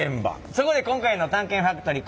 そこで今回の「探検ファクトリー」